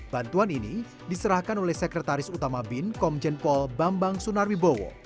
bantuan ini diserahkan oleh sekretaris utama bin komjen paul bambang sunarwibowo